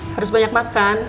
harus banyak makan